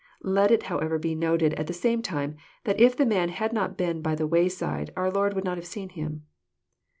Let it however be noted at the same time, that if the man had not been by the wayside, our Lord would not have seen him.